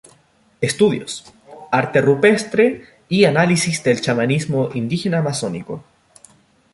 Estudios: Arte Rupestre y análisis del chamanismo indígena amazónico.